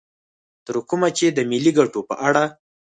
تر کومه چې د ملي ګټو په اړه